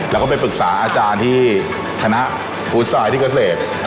แล้วก็ไปปรึกษาอาจารย์ที่คณะฟู้สไตล์ที่เกษตร